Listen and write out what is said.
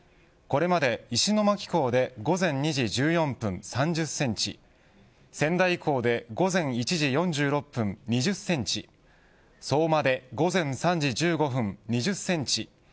これまで石巻港で午前２時１４分、３０センチ仙台港で午前１時４６分２０センチ相馬で午前３時１５分２０センチ